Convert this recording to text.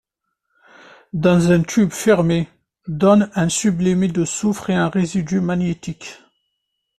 Dans un tube fermé, donne un sublimé de soufre et un résidu magnétique.